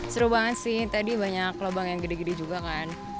seru banget sih tadi banyak lubang yang gede gede juga kan